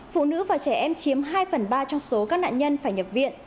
phụ nữ và trẻ em chiếm hai phần ba trong số các nạn nhân phải nhập viện